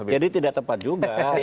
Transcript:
jadi tidak tepat juga